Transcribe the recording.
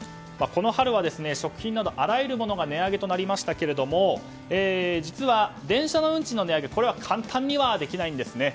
この春は食品などあらゆるものが値上がりとなりましたが実は、電車の運賃の値上げは簡単にはできないんです。